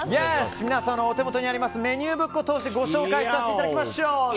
皆さんのお手元にあるメニューブックを通してご紹介させていただきましょう。